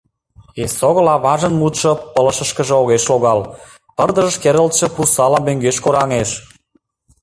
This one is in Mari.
Эсогыл аважын мутшо пылышышкыже огеш логал, пырдыжыш керылтше пурсала мӧҥгеш кораҥеш.